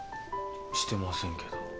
してませんけど。